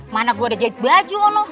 mana gue udah jahit baju ono